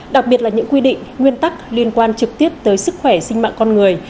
đặc biệt là những quy định nguyên tắc liên quan trực tiếp tới sức khỏe sinh mạng con người